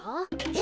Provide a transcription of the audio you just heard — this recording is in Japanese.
え。